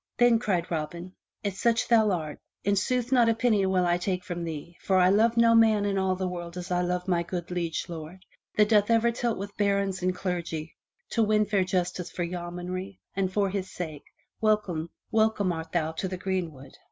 Then cried Robin, " If such thou art, in sooth not a penny will I take from thee, for I love no man in all the world as I love my good liege lord, that doth ever tilt with barons and clergy to win fair justice for yeomanry, and for his sake, welcome art thou to the greenwood."